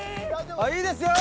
いいですよ。